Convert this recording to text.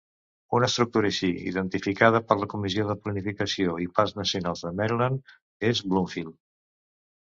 Una estructura així, identificada per la Comissió de Planificació i Parcs Nacionals de Maryland, és Bloomfield.